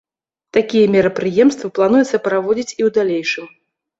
Такія мерапрыемствы плануецца праводзіць і ў далейшым.